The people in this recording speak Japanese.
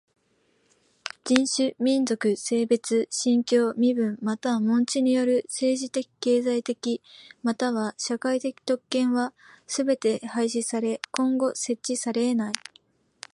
人種、民族、性別、信教、身分または門地による政治的経済的または社会的特権はすべて廃止され今後設置されえない。